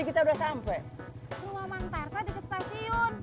rumah mantar tadi di stasiun